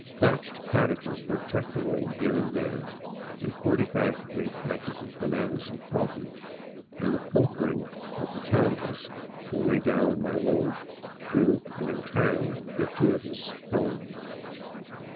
Thatched cottages were tucked away here and there in forty five degree patches of bananas and coffee, and the pilfering of the tandas to weigh down my load proved an entirely gratuitous felony.